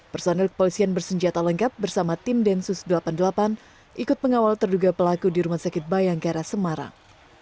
personel kepolisian bersenjata lengkap bersama tim densus delapan puluh delapan ikut mengawal terduga pelaku di rumah sakit bayangkara semarang